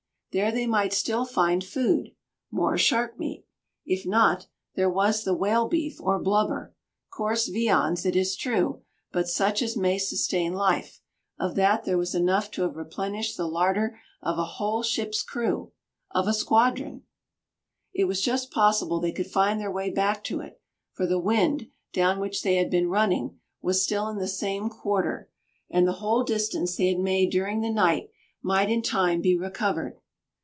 There they might still find food, more shark meat. If not, there was the whale beef, or blubber: coarse viands, it is true, but such as may sustain life. Of that there was enough to have replenished the larder of a whole ship's crew, of a squadron! It was just possible they could find their way back to it, for the wind, down which they had been running, was still in the same quarter; and the whole distance they had made during the night might in time be recovered.